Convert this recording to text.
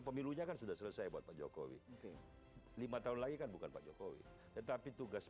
pemilunya kan sudah selesai buat pak jokowi lima tahun lagi kan bukan pak jokowi tetapi tugas